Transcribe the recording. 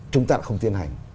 chúng ta không tiến hành